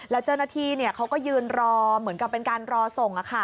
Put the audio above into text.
แล้วเจ้าหน้าที่เขาก็ยืนรอเหมือนกับเป็นการรอส่ง